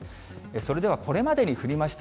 それではこれまでに降りました